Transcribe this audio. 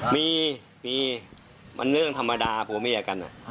มีมีมันเรื่องธรรมดาผมไม่อยากันน่ะ